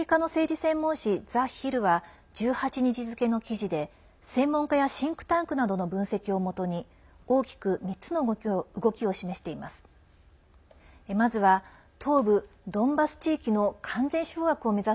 専門紙ザ・ヒルは１８日付の記事で専門家やシンクタンクなどの分析をもとに大きく３つの動きを示しています。